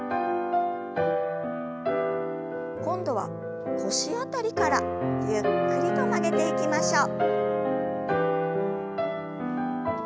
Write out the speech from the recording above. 今度は腰辺りからゆっくりと曲げていきましょう。